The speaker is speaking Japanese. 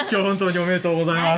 ありがとうございます。